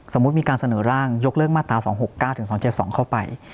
มีการเสนอร่างยกเลิกมาตรา๒๖๙ถึง๒๗๒เข้าไป